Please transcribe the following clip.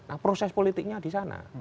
nah proses politiknya di sana